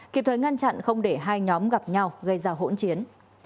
kịp thời ngăn chặn không để hai nhóm gặp nhau gây ra hỗn chiến